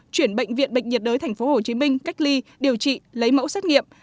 chuyển bệnh viện bệnh nhiệt đới tp hcm cách ly điều trị lấy mẫu xét nghiệm